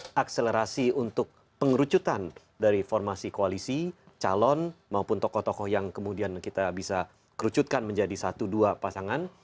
dan akselerasi untuk pengerucutan dari formasi koalisi calon maupun tokoh tokoh yang kemudian kita bisa kerucutkan menjadi satu dua pasangan